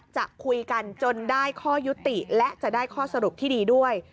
จะคุยกันจนได้ข้อยุติและจะได้ข้อสรุปที่ดีด้วย